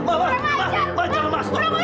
kurang ajar anak saya masih dihina